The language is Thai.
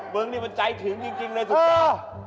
เบิ้งนี่มันใจถึงจริงเลยสุดยอด